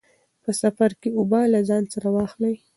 په سفر کې اوبه له ځان سره واخلئ.